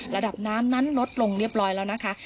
ระดับน้ำนั้นลดลงเรียบร้อยแล้วนะคะ